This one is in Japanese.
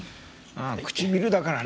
ああ唇だからね。